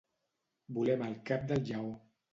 Volem el cap del lleó.